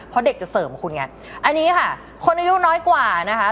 เพราะเด็กจะเสริมคุณไงอันนี้ค่ะคนอายุน้อยกว่านะคะ